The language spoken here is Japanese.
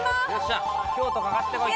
京都かかってこい！